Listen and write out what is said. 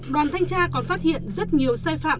đoàn thanh tra còn phát hiện rất nhiều sai phạm